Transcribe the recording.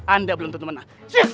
anda belum tentu menang